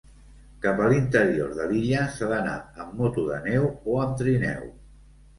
Cap a l'interior de l'illa s'ha d'anar amb moto de neu o amb trineu.